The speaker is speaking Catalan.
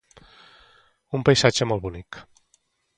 Un paisatge molt bonic